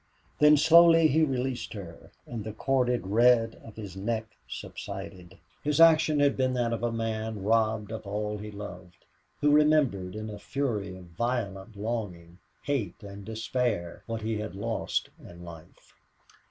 Then slowly he released her and the corded red of his neck subsided. His action had been that of a man robbed of all he loved, who remembered, in a fury of violent longing, hate, and despair, what he had lost in life.